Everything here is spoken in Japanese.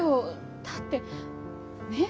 だってねえ。